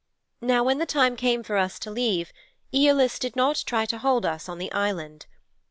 Now when the time came for us to leave, Æolus did not try to hold us on the island.